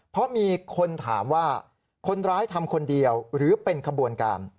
เพราะมีคนถามว่าคนร้ายทำคนเดียวหรือเป็นขบวนการ